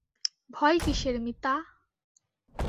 ভয় কিসের মিতা।